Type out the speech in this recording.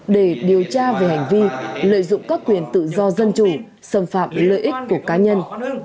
để điều tra về hành vi lợi dụng các quyền tự do dân chủ xâm phạm lợi ích của cá nhân